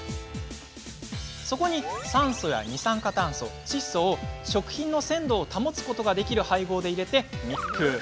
そこに酸素や二酸化炭素、窒素を食品の鮮度を保つことができる配合で入れ密封。